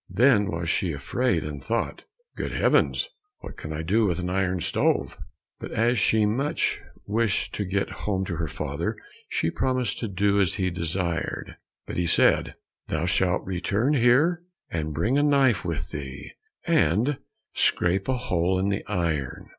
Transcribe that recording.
Then was she afraid, and thought, "Good heavens! What can I do with an iron stove?" But as she much wished to get home to her father, she promised to do as he desired. But he said, "Thou shalt return here, and bring a knife with thee, and scrape a hole in the iron."